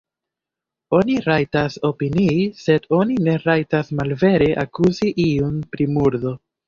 Oni rajtas opinii, sed oni ne rajtas malvere akuzi iun pri murdo.